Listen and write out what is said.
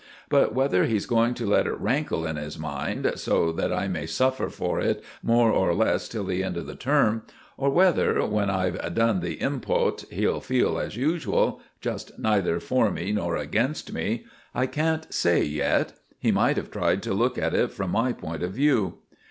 But whether he's going to let it rankle in his mind, so that I may suffer for it more or less till the end of the term, or whether, when I've done the impot., he'll feel as usual—just neither for me nor against me—I can't say yet. He might have tried to look at it from my point of view."